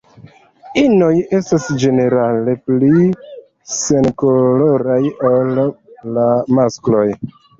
Inoj estas ĝenerale pli senkoloraj ol la maskloj.